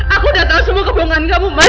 aku udah tahu semua kebohongan kamu mas